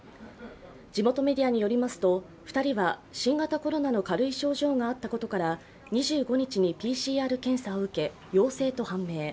地元メディアによりますと２人は新型コロナの軽い症状があったことから２５日にＰＣＲ検査を受け、陽性と判明。